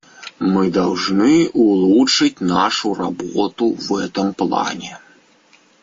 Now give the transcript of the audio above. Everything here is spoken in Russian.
Мы должны улучшить нашу работу в этом плане.